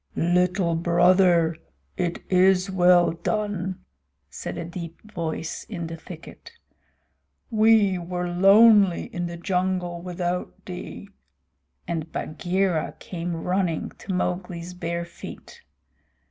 "Little Brother, it is well done," said a deep voice in the thicket. "We were lonely in the jungle without thee," and Bagheera came running to Mowgli's bare feet.